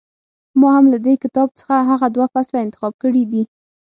ما هم له دې کتاب څخه هغه دوه فصله انتخاب کړي دي.